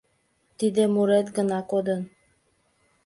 Тиде мурет гына кодын.